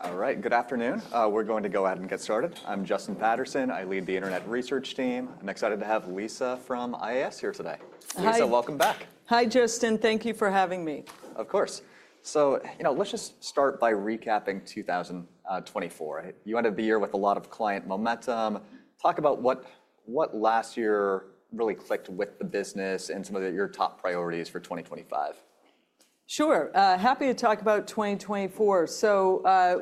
All right, good afternoon. We're going to go ahead and get started. I'm Justin Patterson. I lead the Internet Research Team. I'm excited to have Lisa from IAS here today. Hi. Lisa, welcome back. Hi, Justin. Thank you for having me. Of course. Let's just start by recapping 2024. You ended the year with a lot of client momentum. Talk about what last year really clicked with the business and some of your top priorities for 2025. Sure. Happy to talk about 2024.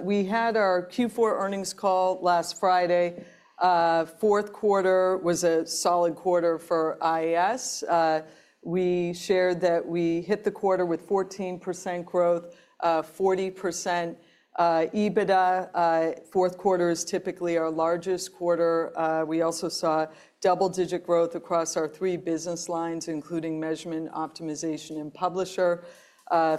We had our Q4 earnings call last Friday. Q4 was a solid quarter for IAS. We shared that we hit the quarter with 14% growth, 40% EBITDA. Q4 is typically our largest quarter. We also saw double-digit growth across our three business lines, including measurement, optimization, and publisher.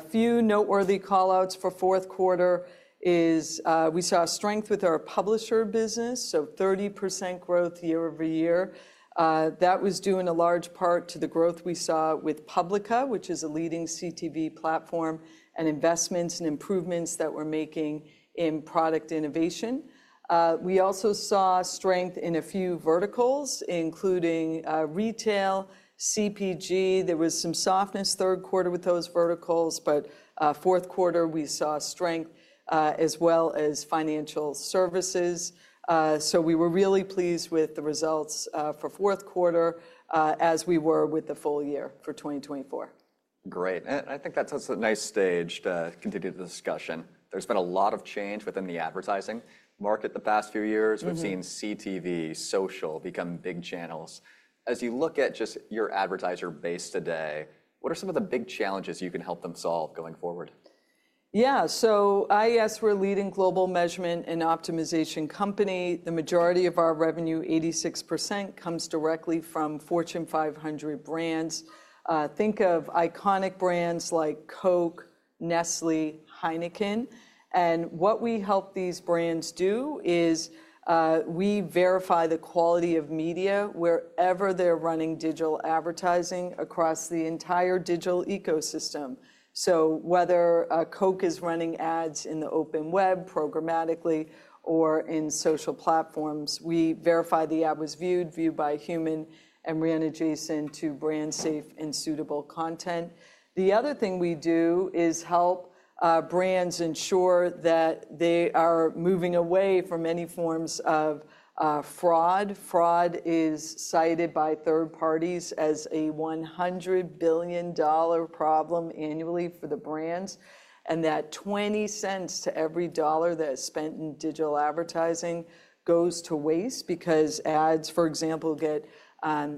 Few noteworthy callouts for Q4 is we saw strength with our publisher business, so 30% growth year over year. That was due in a large part to the growth we saw with Publica, which is a leading CTV platform, and investments and improvements that we're making in product innovation. We also saw strength in a few verticals, including retail, CPG. There was some softness Q3 with those verticals, but Q4 we saw strength as well as financial services. We were really pleased with the results for Q4 as we were with the full year for 2024. Great. I think that sets a nice stage to continue the discussion. There's been a lot of change within the advertising market the past few years. We've seen CTV, social become big channels. As you look at just your advertiser base today, what are some of the big challenges you can help them solve going forward? Yeah, so IAS, we're a leading global measurement and optimization company. The majority of our revenue, 86%, comes directly from Fortune 500 brands. Think of iconic brands like Coke, Nestlé, Heineken. What we help these brands do is we verify the quality of media wherever they're running digital advertising across the entire digital ecosystem. Whether Coke is running ads in the open web programmatically or in social platforms, we verify the ad was viewed, viewed by human, and ran adjacent to brand-safe and suitable content. The other thing we do is help brands ensure that they are moving away from any forms of fraud. Fraud is cited by third parties as a $100 billion problem annually for the brands, and that $0.20 to every dollar that is spent in digital advertising goes to waste because ads, for example, get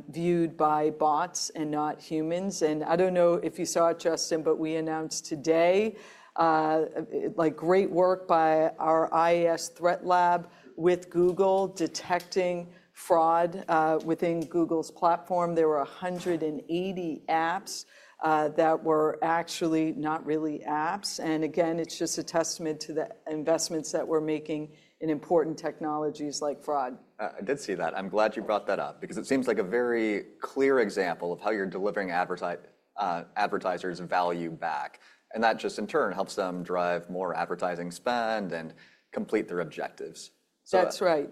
viewed by bots and not humans. I don't know if you saw it, Justin, but we announced today great work by our IAS Threat Lab with Google detecting fraud within Google's platform. There were 180 apps that were actually not really apps. Again, it's just a testament to the investments that we're making in important technologies like fraud. I did see that. I'm glad you brought that up because it seems like a very clear example of how you're delivering advertisers value back. That just in turn helps them drive more advertising spend and complete their objectives. That's right.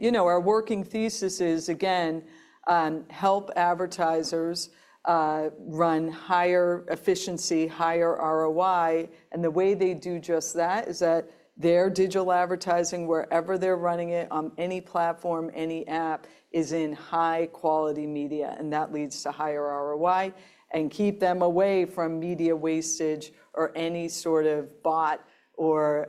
You know our working thesis is, again, help advertisers run higher efficiency, higher ROI. The way they do just that is that their digital advertising, wherever they're running it, on any platform, any app, is in high-quality media. That leads to higher ROI and keeps them away from media wastage or any sort of bot or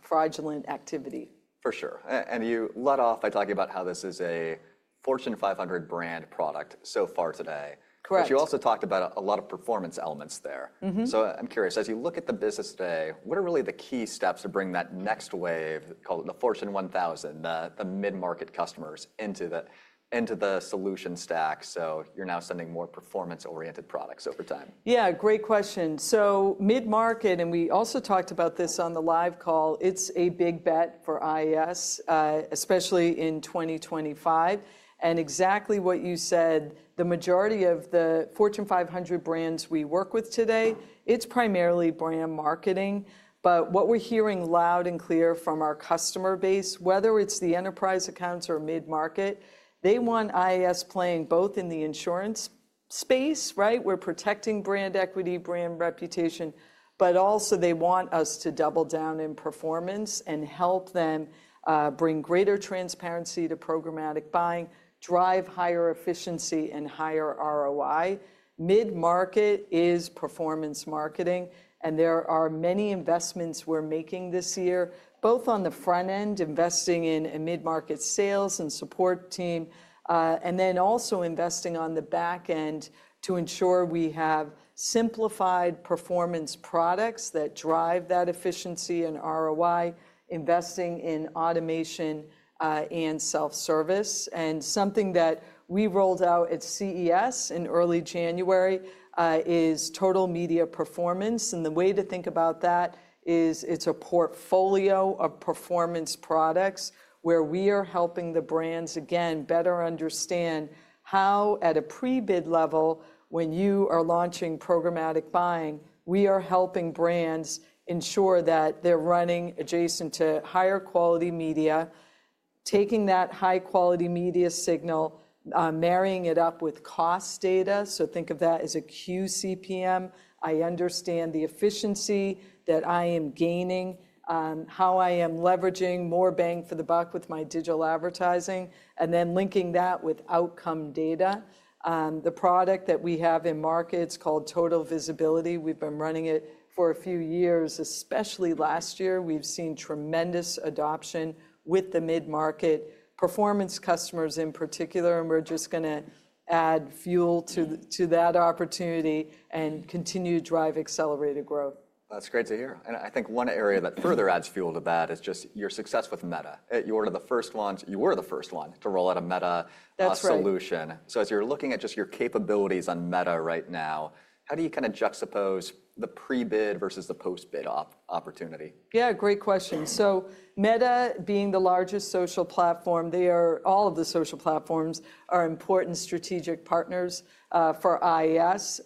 fraudulent activity. For sure. You led off by talking about how this is a Fortune 500 brand product so far today. Correct. You also talked about a lot of performance elements there. I'm curious, as you look at the business today, what are really the key steps to bring that next wave called the Fortune 1000, the mid-market customers, into the solution stack? You're now sending more performance-oriented products over time. Yeah, great question. Mid-market, and we also talked about this on the live call, it's a big bet for IAS, especially in 2025. Exactly what you said, the majority of the Fortune 500 brands we work with today, it's primarily brand marketing. What we're hearing loud and clear from our customer base, whether it's the enterprise accounts or mid-market, they want IAS playing both in the insurance space, right? We're protecting brand equity, brand reputation, but also they want us to double down in performance and help them bring greater transparency to programmatic buying, drive higher efficiency, and higher ROI. Mid-market is performance marketing. There are many investments we're making this year, both on the front end, investing in a mid-market sales and support team, and also investing on the back end to ensure we have simplified performance products that drive that efficiency and ROI, investing in automation and self-service. Something that we rolled out at CES in early January is Total Media Performance. The way to think about that is it's a portfolio of performance products where we are helping the brands, again, better understand how at a pre-bid level, when you are launching programmatic buying, we are helping brands ensure that they're running adjacent to higher quality media, taking that high-quality media signal, marrying it up with cost data. Think of that as a qCPM. I understand the efficiency that I am gaining, how I am leveraging more bang for the buck with my digital advertising, and then linking that with outcome data. The product that we have in market is called Total Visibility, we've been running it for a few years, especially last year. We've seen tremendous adoption with the mid-market performance customers in particular. We are just going to add fuel to that opportunity and continue to drive accelerated growth. That's great to hear. I think one area that further adds fuel to that is just your success with Meta. You were the first launch. You were the first one to roll out a Meta solution. That's right. As you're looking at just your capabilities on Meta right now, how do you kind of juxtapose the pre-bid versus the post-bid opportunity? Yeah, great question. Meta, being the largest social platform, all of the social platforms are important strategic partners for IAS.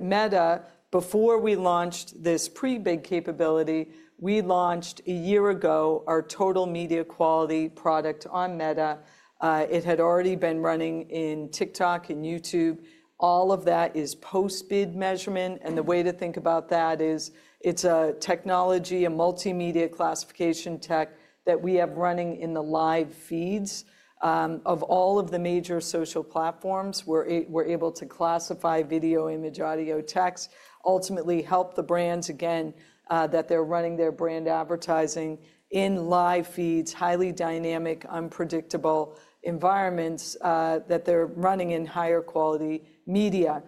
Meta, before we launched this pre-bid capability, we launched a year ago our Total Media Quality product on Meta. It had already been running in TikTok and YouTube. All of that is post-bid measurement. The way to think about that is it's a technology, a multimedia classification tech that we have running in the live feeds of all of the major social platforms. We're able to classify video, image, audio, text, ultimately help the brands, again, that they're running their brand advertising in live feeds, highly dynamic, unpredictable environments that they're running in higher quality media.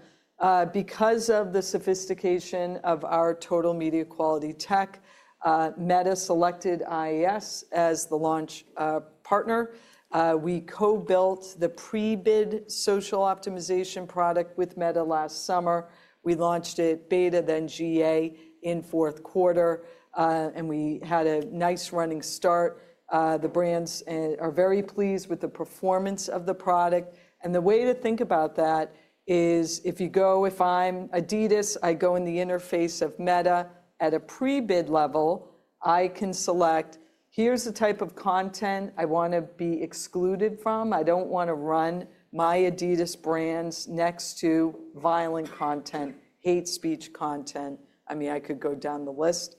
Because of the sophistication of our Total Media Quality tech, Meta selected IAS as the launch partner. We co-built the Pre-Bid Social Optimization product with Meta last summer. We launched it beta, then GA in Q4. We had a nice running start. The brands are very pleased with the performance of the product. The way to think about that is if you go, if I'm Adidas, I go in the interface of Meta at a pre-bid level, I can select, here's the type of content I want to be excluded from. I don't want to run my Adidas brands next to violent content, hate speech content. I mean, I could go down the list.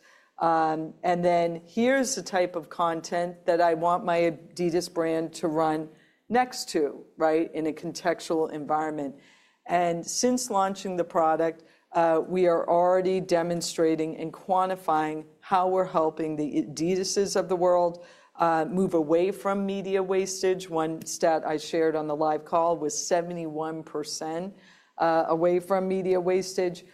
Here's the type of content that I want my Adidas brand to run next to, right, in a contextual environment. Since launching the product, we are already demonstrating and quantifying how we're helping the Adidas of the world move away from media wastage. One stat I shared on the live call was 71% away from media wastage.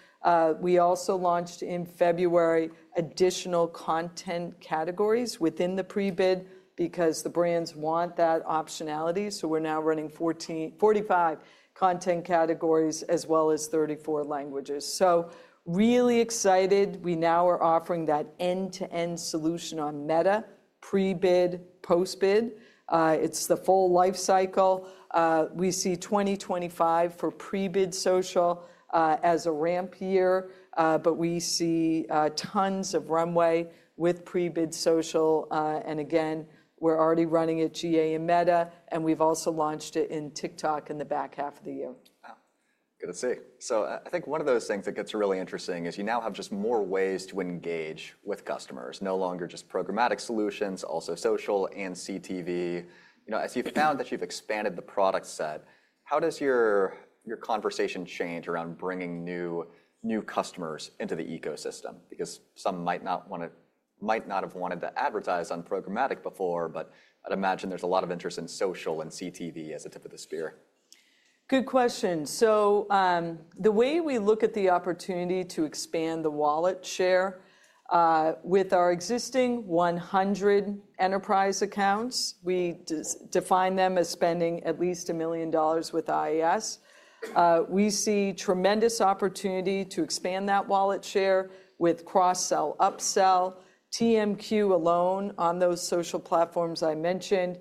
We also launched in February additional content categories within the pre-bid because the brands want that optionality. We are now running 45 content categories as well as 34 languages. I am really excited. We now are offering that end-to-end solution on Meta, pre-bid, post-bid. It is the full life cycle. We see 2025 for pre-bid social as a ramp year, but we see tons of runway with pre-bid social. Again, we are already running it GA in Meta, and we have also launched it in TikTok in the back half of the year. Wow. Good to see. I think one of those things that gets really interesting is you now have just more ways to engage with customers, no longer just programmatic solutions, also social and CTV. As you've found that you've expanded the product set, how does your conversation change around bringing new customers into the ecosystem? Because some might not have wanted to advertise on programmatic before, but I'd imagine there's a lot of interest in social and CTV as the tip of the spear. Good question. The way we look at the opportunity to expand the wallet share with our existing 100 enterprise accounts, we define them as spending at least $1 million with IAS. We see tremendous opportunity to expand that wallet share with cross-sell, upsell, TMQ alone on those social platforms I mentioned.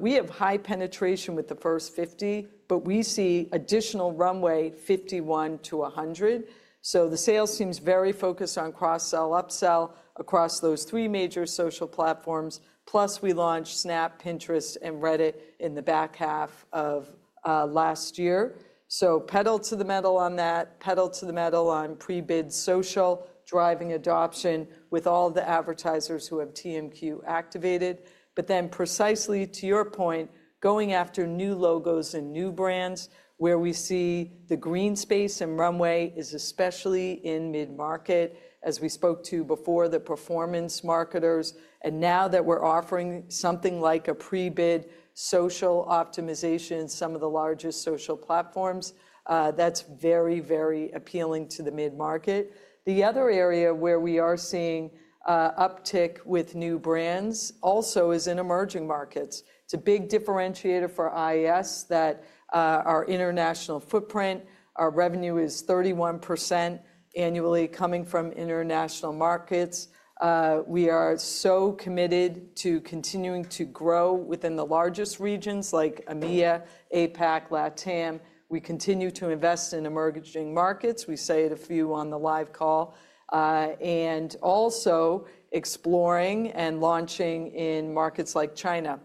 We have high penetration with the first 50, but we see additional runway 51-100. The sales team's very focused on cross-sell, upsell across those three major social platforms. Plus, we launched Snap, Pinterest, and Reddit in the back half of last year. Pedal to the metal on that, pedal to the metal on pre-bid social, driving adoption with all the advertisers who have TMQ activated. Precisely to your point, going after new logos and new brands where we see the green space and runway is especially in mid-market, as we spoke to before the performance marketers. Now that we're offering something like a Pre-Bid Social Optimization in some of the largest social platforms, that's very, very appealing to the mid-market. The other area where we are seeing uptick with new brands also is in emerging markets. It's a big differentiator for IAS that our international footprint, our revenue is 31% annually coming from international markets. We are so committed to continuing to grow within the largest regions like EMEA, APAC, LATAM. We continue to invest in emerging markets. We say it a few on the live call. Also exploring and launching in markets like China.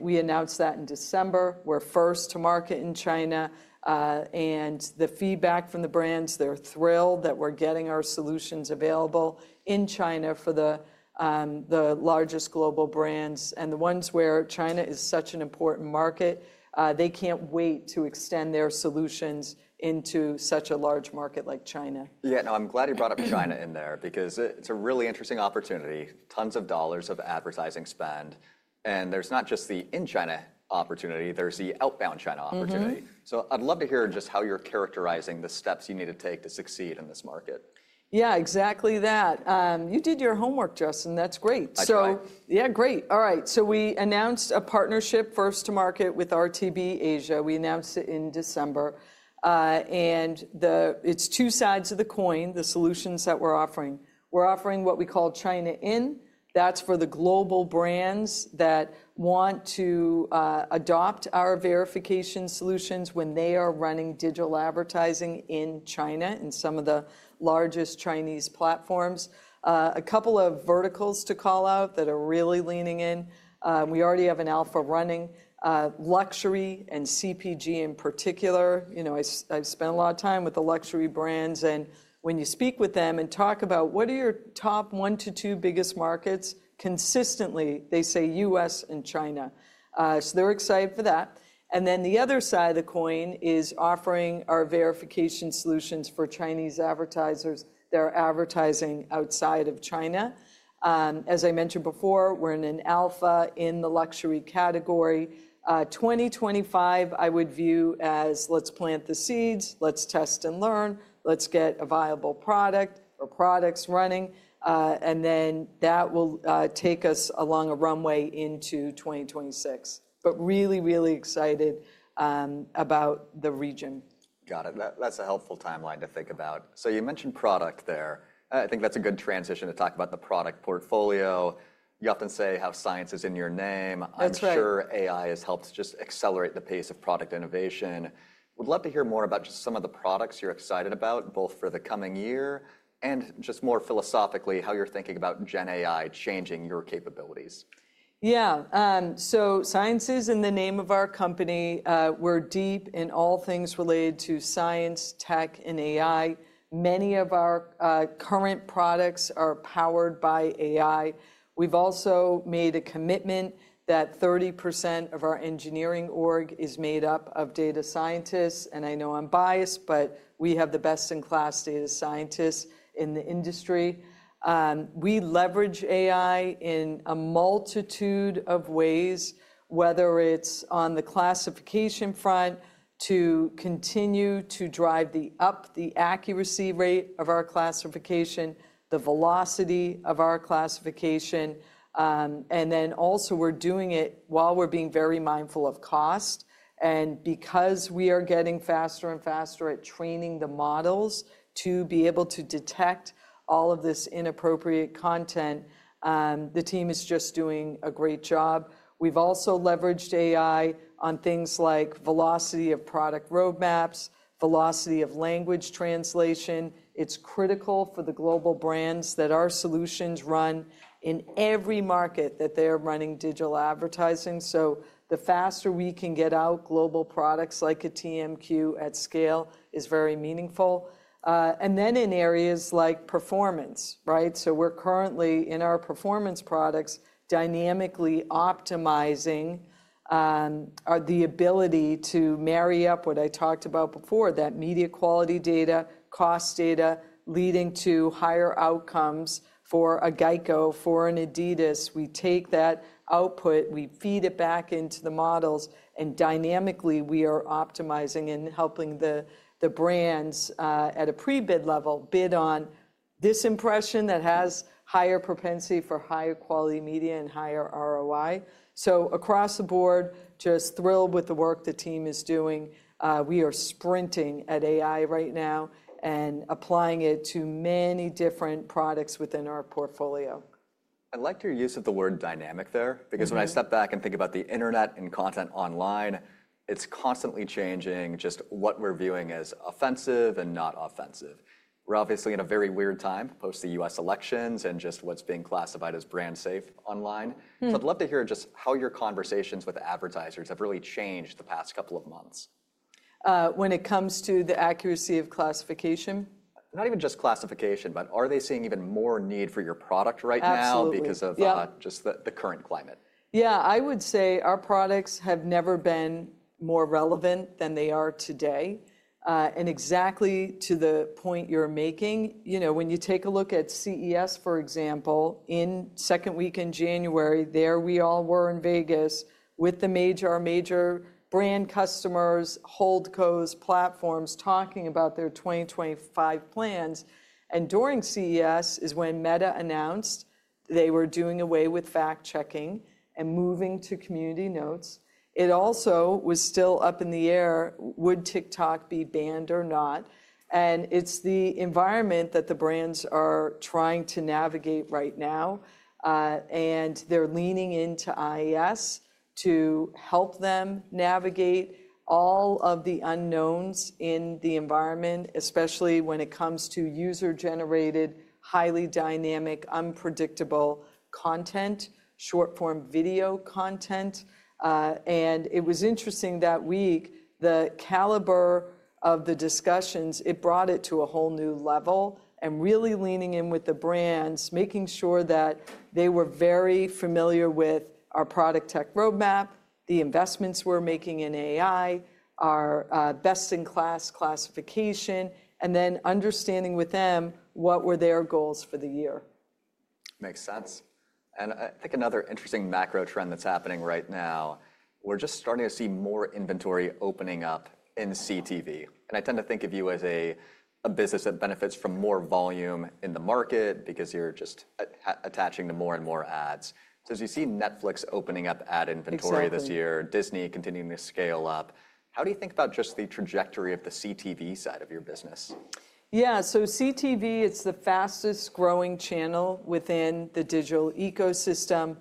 We announced that in December. We're first to market in China. The feedback from the brands, they're thrilled that we're getting our solutions available in China for the largest global brands. The ones where China is such an important market, they can't wait to extend their solutions into such a large market like China. Yeah, no, I'm glad you brought up China In there because it's a really interesting opportunity, tons of dollars of advertising spend. There's not just the in-China opportunity, there's the outbound China opportunity. I'd love to hear just how you're characterizing the steps you need to take to succeed in this market. Yeah, exactly that. You did your homework, Justin. That's great. I did. Yeah, great. All right. We announced a partnership first to market with RTBAsia. We announced it in December. It is two sides of the coin, the solutions that we're offering. We're offering what we call China In. That's for the global brands that want to adopt our verification solutions when they are running digital advertising in China and some of the largest Chinese platforms. A couple of verticals to call out that are really leaning in. We already have an alpha running, luxury and CPG in particular. You know, I've spent a lot of time with the luxury brands. And when you speak with them and talk about what are your top one to two biggest markets, consistently, they say US and China. They are excited for that. The other side of the coin is offering our verification solutions for Chinese advertisers that are advertising outside of China. As I mentioned before, we're in an alpha in the luxury category. 2025, I would view as let's plant the seeds, let's test and learn, let's get a viable product or products running. That will take us along a runway into 2026. Really, really excited about the region. Got it. That's a helpful timeline to think about. You mentioned product there. I think that's a good transition to talk about the product portfolio. You often say how science is in your name. That's right. I'm sure AI has helped just accelerate the pace of product innovation. Would love to hear more about just some of the products you're excited about, both for the coming year and just more philosophically, how you're thinking about Gen AI changing your capabilities. Yeah. Science is in the name of our company. We're deep in all things related to science, tech, and AI. Many of our current products are powered by AI. We've also made a commitment that 30% of our engineering org is made up of data scientists. I know I'm biased, but we have the best in class data scientists in the industry. We leverage AI in a multitude of ways, whether it's on the classification front to continue to drive up the accuracy rate of our classification, the velocity of our classification. We are doing it while we're being very mindful of cost. Because we are getting faster and faster at training the models to be able to detect all of this inappropriate content, the team is just doing a great job. We've also leveraged AI on things like velocity of product roadmaps, velocity of language translation. It's critical for the global brands that our solutions run in every market that they're running digital advertising. The faster we can get out global products like a TMQ at scale is very meaningful. In areas like performance, right? We're currently in our performance products dynamically optimizing the ability to marry up what I talked about before, that media quality data, cost data leading to higher outcomes for a GEICO, for an Adidas. We take that output, we feed it back into the models, and dynamically we are optimizing and helping the brands at a pre-bid level bid on this impression that has higher propensity for higher quality media and higher ROI. Across the board, just thrilled with the work the team is doing. We are sprinting at AI right now and applying it to many different products within our portfolio. I liked your use of the word dynamic there because when I step back and think about the internet and content online, it's constantly changing just what we're viewing as offensive and not offensive. We're obviously in a very weird time post the U.S. elections and just what's being classified as brand safe online. I'd love to hear just how your conversations with advertisers have really changed the past couple of months. When it comes to the accuracy of classification. Not even just classification, but are they seeing even more need for your product right now because of just the current climate? Yeah, I would say our products have never been more relevant than they are today. And exactly to the point you're making, you know, when you take a look at CES, for example, in second week in January, there we all were in Vegas with the major, our major brand customers, holdcos platforms talking about their 2025 plans. During CES is when Meta announced they were doing away with fact-checking and moving to Community Notes. It also was still up in the air, would TikTok be banned or not? It's the environment that the brands are trying to navigate right now. They're leaning into IAS to help them navigate all of the unknowns in the environment, especially when it comes to user-generated, highly dynamic, unpredictable content, short-form video content. It was interesting that week, the caliber of the discussions, it brought it to a whole new level and really leaning in with the brands, making sure that they were very familiar with our product tech roadmap, the investments we're making in AI, our best in class classification, and then understanding with them what were their goals for the year. Makes sense. I think another interesting macro trend that's happening right now, we're just starting to see more inventory opening up in CTV. I tend to think of you as a business that benefits from more volume in the market because you're just attaching to more and more ads. As you see Netflix opening up ad inventory this year, Disney continuing to scale up, how do you think about just the trajectory of the CTV side of your business? Yeah, so CTV, it's the fastest growing channel within the digital ecosystem.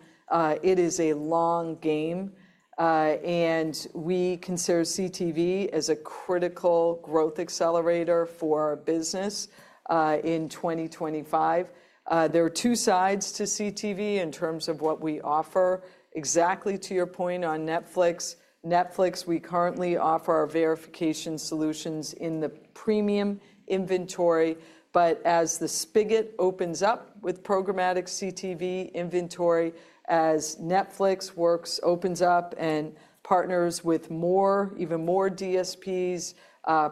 It is a long game. We consider CTV as a critical growth accelerator for our business in 2025. There are two sides to CTV in terms of what we offer. Exactly to your point on Netflix, Netflix, we currently offer our verification solutions in the premium inventory. As the spigot opens up with programmatic CTV inventory, as Netflix works, opens up and partners with more, even more DSPs,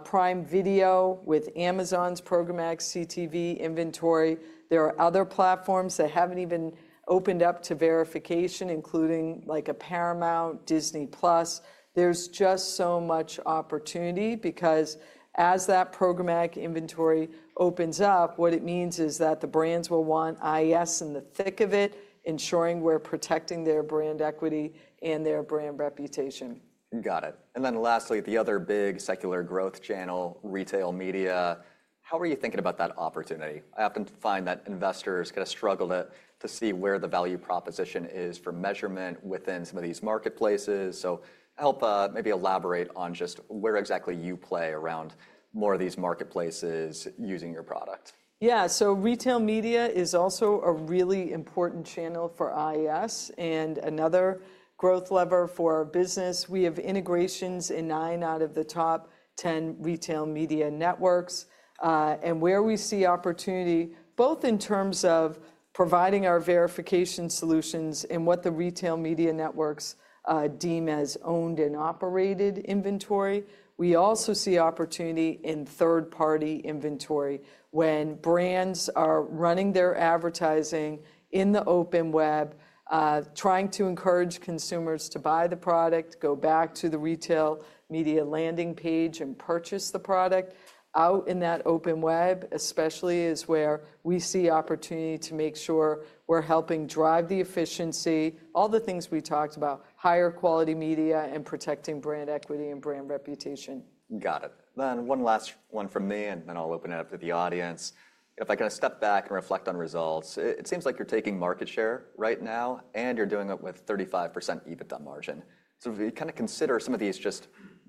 Prime Video with Amazon's programmatic CTV inventory. There are other platforms that have not even opened up to verification, including like a Paramount, Disney+. there is just so much opportunity because as that programmatic inventory opens up, what it means is that the brands will want IAS in the thick of it, ensuring we are protecting their brand equity and their brand reputation. Got it. Lastly, the other big secular growth channel, retail media, how are you thinking about that opportunity? I often find that investors kind of struggle to see where the value proposition is for measurement within some of these marketplaces. Help maybe elaborate on just where exactly you play around more of these marketplaces using your product. Yeah, retail media is also a really important channel for IAS and another growth lever for our business. We have integrations in nine out of the top 10 retail media networks. Where we see opportunity, both in terms of providing our verification solutions and what the retail media networks deem as owned and operated inventory, we also see opportunity in third-party inventory when brands are running their advertising in the open web, trying to encourage consumers to buy the product, go back to the retail media landing page and purchase the product out in that open web, especially is where we see opportunity to make sure we're helping drive the efficiency, all the things we talked about, higher quality media and protecting brand equity and brand reputation. Got it. One last one from me and then I'll open it up to the audience. If I kind of step back and reflect on results, it seems like you're taking market share right now and you're doing it with 35% EBITDA margin. If we kind of consider some of these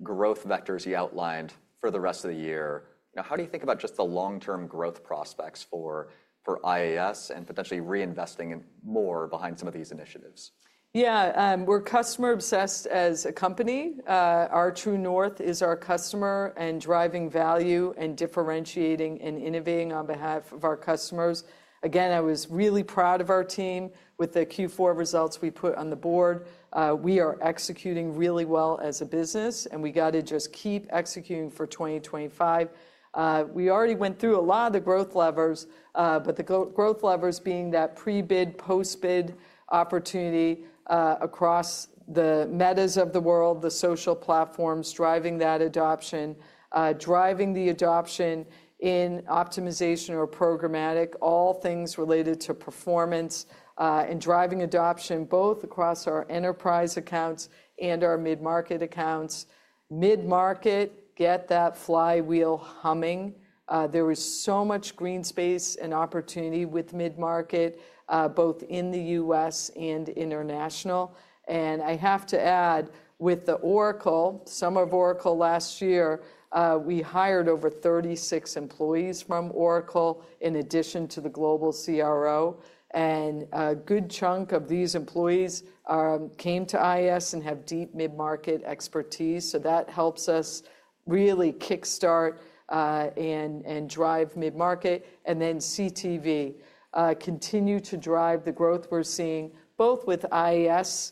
growth vectors you outlined for the rest of the year, how do you think about the long-term growth prospects for IAS and potentially reinvesting more behind some of these initiatives? Yeah, we're customer-obsessed as a company. Our true north is our customer and driving value and differentiating and innovating on behalf of our customers. Again, I was really proud of our team with the Q4 results we put on the board. We are executing really well as a business and we got to just keep executing for 2025. We already went through a lot of the growth levers, but the growth levers being that pre-bid, post-bid opportunity across the Metas of the world, the social platforms driving that adoption, driving the adoption in optimization or programmatic, all things related to performance and driving adoption both across our enterprise accounts and our mid-market accounts. Mid-market, get that flywheel humming. There was so much green space and opportunity with mid-market, both in the US and international. I have to add with Oracle, some of Oracle last year, we hired over 36 employees from Oracle in addition to the global CRO. A good chunk of these employees came to IAS and have deep mid-market expertise. That helps us really kickstart and drive mid-market. CTV, continue to drive the growth we're seeing both with IAS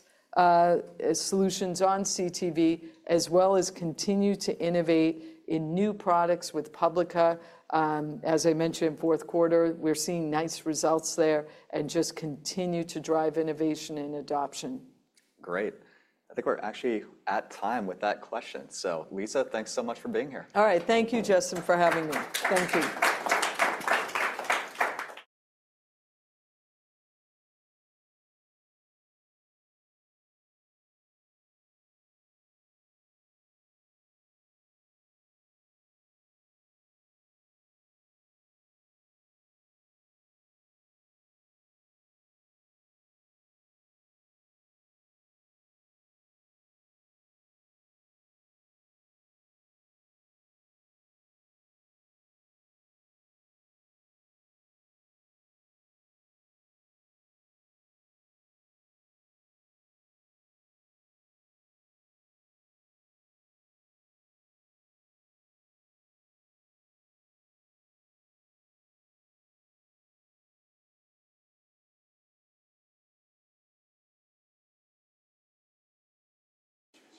solutions on CTV, as well as continue to innovate in new products with Publica. As I mentioned, Q4, we're seeing nice results there and just continue to drive innovation and adoption. Great. I think we're actually at time with that question. Lisa, thanks so much for being here. All right. Thank you, Justin, for having me. Thank you.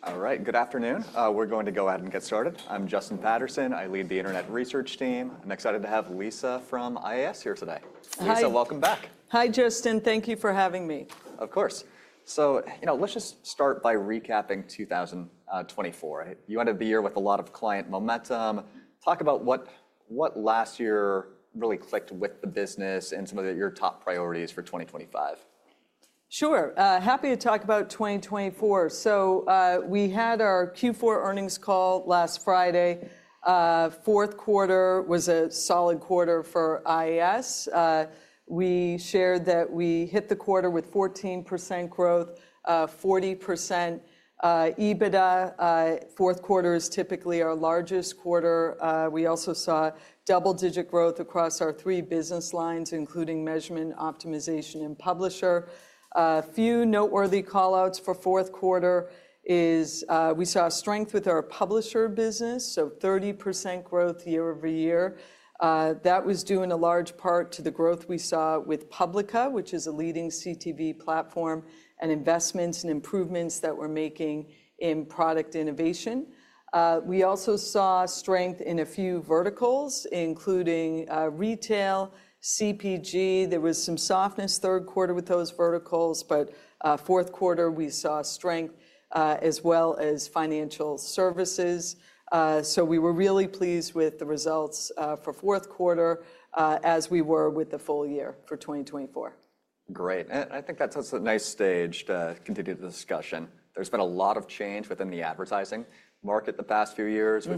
All right, good afternoon. We're going to go ahead and get started. I'm Justin Patterson. I lead the internet research team. I'm excited to have Lisa from IAS here today. Hi. Lisa, welcome back. Hi, Justin. Thank you for having me. Of course. You know, let's just start by recapping 2024. You ended the year with a lot of client momentum. Talk about what last year really clicked with the business and some of your top priorities for 2025. Sure. Happy to talk about 2024. We had our Q4 earnings call last Friday. Q4 was a solid quarter for IAS. We shared that we hit the quarter with 14% growth, 40% EBITDA. Q4 is typically our largest quarter. We also saw double-digit growth across our three business lines, including measurement, optimization, and publisher. Few noteworthy callouts for Q4 is we saw strength with our publisher business, so 30% growth year over year. That was due in a large part to the growth we saw with Publica, which is a leading CTV platform and investments and improvements that we're making in product innovation. We also saw strength in a few verticals, including retail, CPG. There was some softness Q3 with those verticals, but Q4 we saw strength as well as financial services. We were really pleased with the results for Q4 as we were with the full year for 2024. Great. I think that sets a nice stage to continue the discussion. There's been a lot of change within the advertising market the past few years.